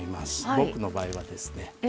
僕の場合はですね